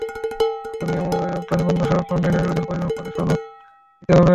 নতুন নিয়মানুযায়ী, রপ্তানি পণ্যসহ কনটেইনারের ওজন পরিমাপ করে সনদ নিতে হবে।